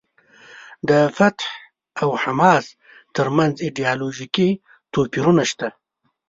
د فتح او حماس ترمنځ ایډیالوژیکي توپیرونه شته.